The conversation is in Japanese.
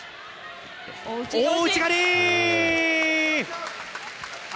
大内刈り！